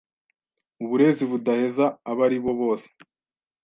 uburezi budaheza abaribo bose